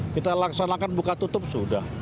kita laksanakan buka tutup sudah